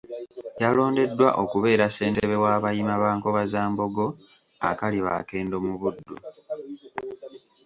Yalondeddwa okubeera ssentebe w'abayima ba Nkobazambogo Akalibaakendo mu Buddu